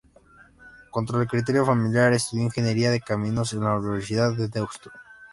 Contra el criterio familiar, estudió Ingeniería de Caminos en la Universidad de Deusto.